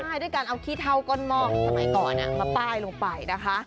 ใช่ด้วยการเอาขี้เท่าก้นหม้อสมัยก่อนมาป้ายลงไปนะคะ